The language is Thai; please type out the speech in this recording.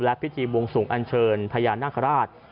พิธีบวงสูงอันเชิญพญานาคาราช